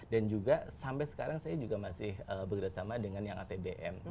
dan juga sampai sekarang saya juga masih bekerjasama dengan yang atbm